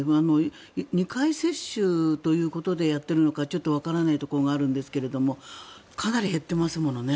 ２回接種ということでやっているのかちょっとわからないところがあるんですがかなり減ってますものね。